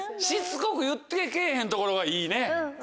しつこく言って来ぇへんところがいいね。